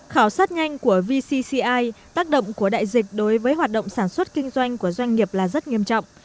khảo sát nhanh của vcci tác động của đại dịch đối với hoạt động sản xuất kinh doanh của doanh nghiệp là rất nghiêm trọng